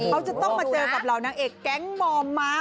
เขาจะต้องมาเจอกับเหล่านางเอกแก๊งมอมม้า